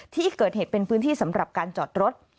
ที่เกิดเหตุเป็นพื้นที่สำหรับการจอดรถ